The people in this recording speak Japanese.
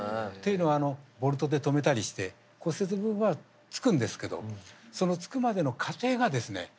っていうのはあのボルトで留めたりして骨折部分はつくんですけどそのつくまでの過程がですね